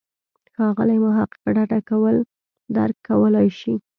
ښاغلی محق ډډه کول درک کولای شي.